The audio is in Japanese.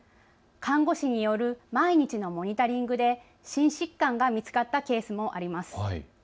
看護師による毎日のモニタリングで心疾患が見つかったケースもあります。